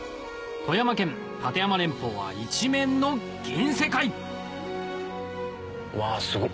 富山県立山連峰は一面の銀世界わぁすごっ！